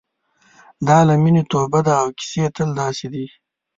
دا له مینې توبه ده او کیسې تل داسې دي.